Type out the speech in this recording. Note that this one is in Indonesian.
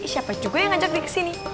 siapa juga yang ajak dia kesini